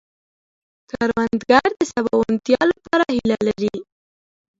کروندګر د سباوونتیا لپاره هيله لري